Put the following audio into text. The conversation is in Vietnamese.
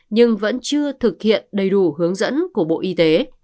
nhưng vẫn chưa thực hiện đầy đủ hướng dẫn của bộ y tế